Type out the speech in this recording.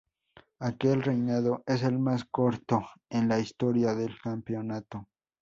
Aquel reinado es el más corto en la historia del campeonato.